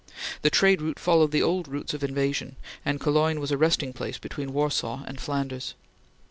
The trade route followed the old routes of invasion, and Cologne was a resting place between Warsaw and Flanders.